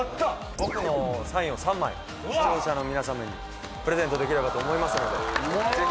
僕のサインを３枚視聴者の皆様にプレゼントできればと思いますのでぜひ。